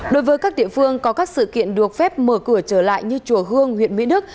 đối với các địa phương có các sự kiện được phép mở cửa trở lại như chùa hương huyện mỹ đức